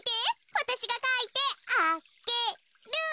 わたしがかいてあげる。